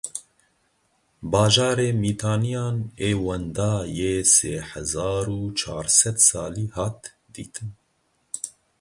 Bajarê Mîtaniyan ê wenda yê sê hezar û çar sed salî hat dîtin.